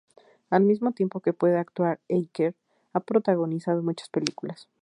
Al mismo tiempo que puede actuar Aker, ha protagonizado muchas películas.